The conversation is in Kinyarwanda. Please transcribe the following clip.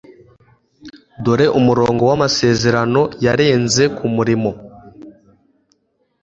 dore umurongo wamasezerano yarenze kumurimo